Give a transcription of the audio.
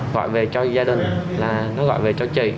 gọi về cho gia đình là nó gọi về cho chị